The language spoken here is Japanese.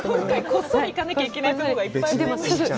こっそり行かないところがいっぱいありますね。